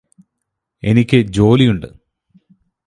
എനിക്ക് ജോലിയുണ്ട്